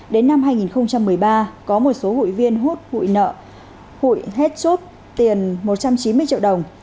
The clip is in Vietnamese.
đến năm hai nghìn một mươi ba có một số hụi viên hốt hụi nợ hụi hết chốt tiền một trăm chín mươi triệu đồng